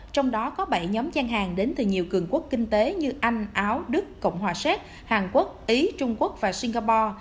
trong đó có bảy nhóm gian hàng đến từ nhiều cường quốc kinh tế như anh áo đức cộng hòa xét hàn quốc ý trung quốc và singapore